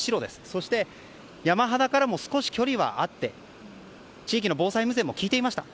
そして、山肌からも少し距離はあって地域の防災無線も聞いていました。